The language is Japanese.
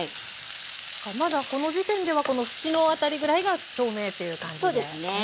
まだこの時点ではこの縁の辺りぐらいが透明っていう感じで。